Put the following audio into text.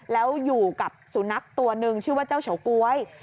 แล้วอยู่กับสุนัขตัวหนึ่งชื่อว่าเจ้าเฉาก๊วย